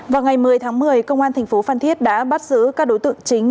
vào ngày một mươi tháng một mươi công an thành phố phan thiết đã bắt giữ các đối tượng chính